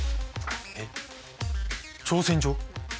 えっ挑戦状？